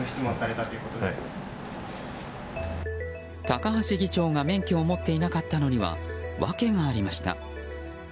高橋議長が免許を持っていなかったのには訳がありました。